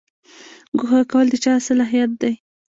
ګوښه کول د چا صلاحیت دی؟